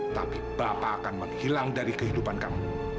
tapi bapak akan menghilang dari kehidupan kamu